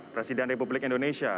presiden republik indonesia